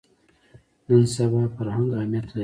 نن سبا فرهنګ اهمیت لري